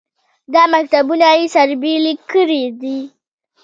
دا مکتبونه یې سره بېلې کړې دي.